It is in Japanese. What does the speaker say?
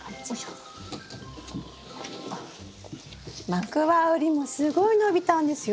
マクワウリもすごい伸びたんですよ。